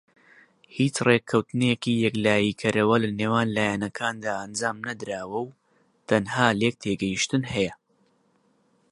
هیچ ڕێککەوتنێکی یەکلایی کەرەوە لەنێوان لایەنەکاندا ئەنجام نەدراوە و تەنها لێکتێگەیشتن هەیە.